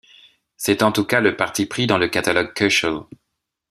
C'est en tout cas le parti pris dans le Catalogue Köchel.